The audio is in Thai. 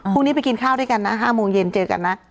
พรุ่งนี้ไปกินข้าวด้วยกันนะ๕โมงเย็นเจอกันนะ